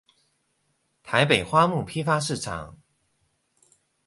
台北花木批發市場